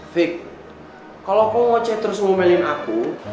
fik kalau kau mau ceh terus ngomelin aku